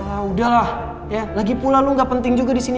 ah udahlah lagi pula lo nggak penting juga disini